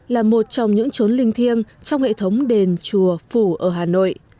là một trong những trốn linh thiêng trong hệ thống đền chùa phủ ở hà nội